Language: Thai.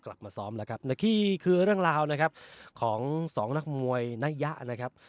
กลับมาซ้อมแล้วครับนี่คือเรื่องราวนะครับของสองนักมวยนายะนะครับ